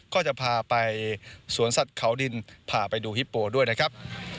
ก็จะพาไปสวนสัตว์เขาดินพาไปดูฮิปโปด้วยนะครับ